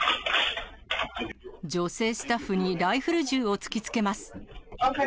女性スタッフにライフル銃を突きつけます。